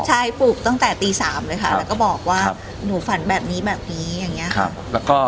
ใช่ปลูกตั้งแต่ตี๓เลยค่ะแล้วก็บอกว่าหนูฝันแบบนี้แบบนี้อย่างนี้